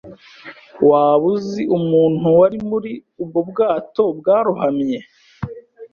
Waba uzi umuntu wari muri ubwo bwato bwarohamye?